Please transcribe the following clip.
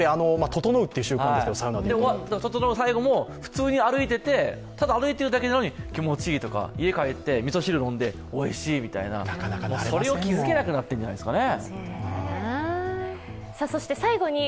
ととのう最後も、普通に歩いていて、歩いているだけなのに気持ちいいとか、家帰ってみそ汁飲んでおいしいとか、それに気づけなくなってるんじゃないですかね。